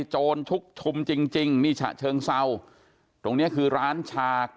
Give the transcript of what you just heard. โจรทุกธุมจริงจริงมีฉะเชิงเสาตรงนี้คือร้านชา